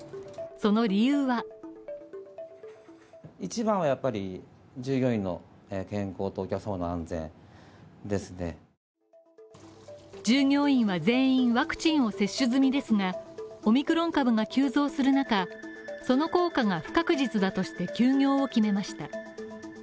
その理由は従業員は全員ワクチンを接種済みですが、オミクロン株が急増する中、その効果が不確実だとして休業を決めました。